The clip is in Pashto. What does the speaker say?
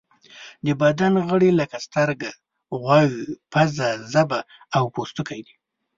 د بدن غړي لکه سترګه، غوږ، پزه، ژبه او پوستکی دي.